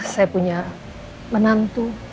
saya punya menantu